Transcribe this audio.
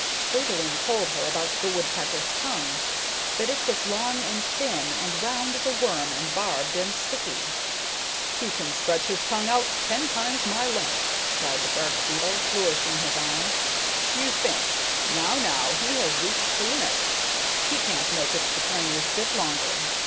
Fridolin told her about the woodpecker's tongue: that it was long and thin, and round as a worm, and barbed and sticky. "He can stretch his tongue out ten times my length," cried the bark beetle, flourishing his arm. "You think: 'now now he has reached the limit, he can't make it the tiniest bit longer.'